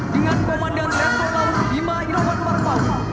dengan komandan lepung laut bima irohan marempau